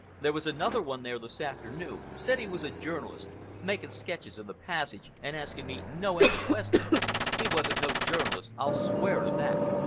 There was another one there this afternoon, said he was a journalist, making sketches of the passage and asking me no end of questions. He wasn't no journalist, I'll swear to that.